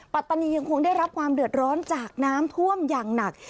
ปัตตานียังคงได้รับความเดือดร้อนจากน้ำท่วมอย่างหนัก